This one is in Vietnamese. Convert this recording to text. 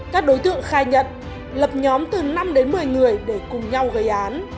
các đối tượng khai nhận lập nhóm từ năm đến một mươi người để cùng nhau gây án